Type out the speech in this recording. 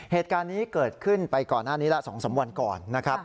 เหตุการณ์นี้เกิดขึ้นไปก่อนหน้านี้ละ๒๓วันก่อนนะครับ